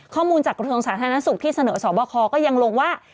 ข้อมูลจากกระทรวงสาธารณสุขที่เสนอสอบคอก็ยังลงว่า